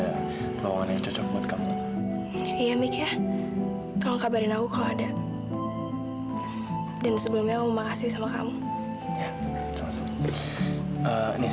akhirnya nanti aku juga bantuin kamu cari yang lebih baik